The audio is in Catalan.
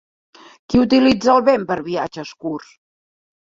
Qui utilitza el vent per viatges curts?